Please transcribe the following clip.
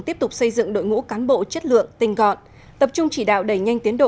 tiếp tục xây dựng đội ngũ cán bộ chất lượng tinh gọn tập trung chỉ đạo đẩy nhanh tiến độ